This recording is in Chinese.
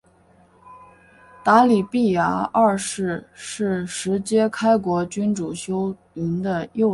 答里必牙二世是是实皆开国君主修云的幼子。